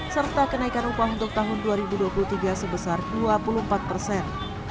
serta kenaikan upah untuk tahun dua ribu dua puluh tiga sebesar dua puluh empat persen